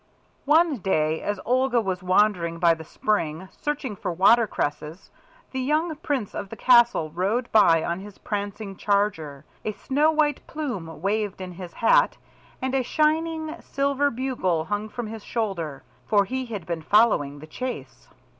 One day as Olga was wandering by the spring, searching for watercresses, the young Prince of the castle rode by on his prancing charger. A snow white plume waved in his hat, and a shining silver bugle hung from his shoulder, for he had been following the chase.